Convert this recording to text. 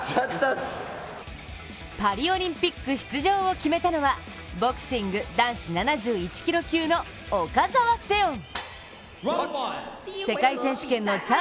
パリオリンピック出場を決めたのはボクシング男子７１キロ級の岡澤セオン。